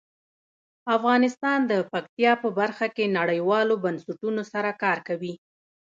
افغانستان د پکتیا په برخه کې نړیوالو بنسټونو سره کار کوي.